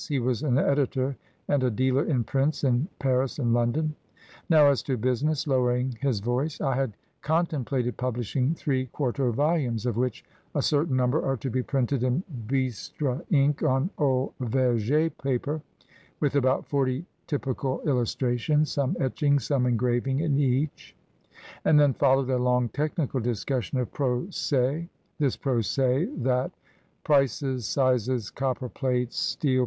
He was an editor and a dealer in prints in Paris and London. "Now, as to business," lowering his voice. "I had con templated publishing three quarto volumes — of which a certain number are to be printed in bistre ink on old verg6 paper — with about forty typical illustra tions, some etching, some engraving, in each;" and then followed a long technical discussion of proch this, proch that — prices, §izes, copper plates, steel 192 MRS.